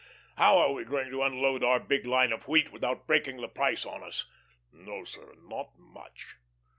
How are we going to unload our big line of wheat without breaking the price on us? No, sir, not much.